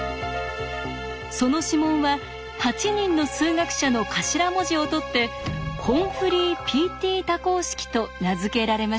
その指紋は８人の数学者の頭文字をとってＨＯＭＦＬＹＰＴ多項式と名付けられました。